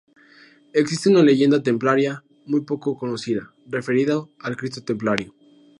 Existe una leyenda templaria, muy poco conocida, referida al Cristo templario.